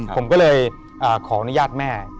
ผมก็เลยขออนุญาตแม่